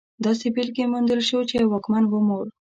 داسې بېلګې موندلی شو چې یو واکمن ومړ.